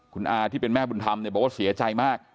คุณอาที่เป็นแม่บุญธรรมเนี่ยบอกว่าเสียใจมาก